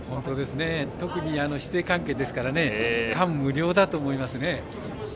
特に師弟関係ですから感無量だと思いますね。